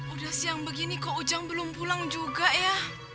udah siang begini kok ujang belum pulang juga ya